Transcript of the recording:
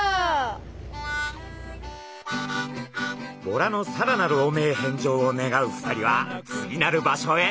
ボラのさらなる汚名返上を願う２人は次なる場所へ！